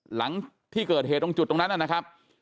หลังที่เกิดเหตุตรงจุดตรงนั้นนะครับ